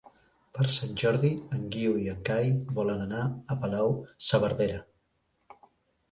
Per Sant Jordi en Guiu i en Cai volen anar a Palau-saverdera.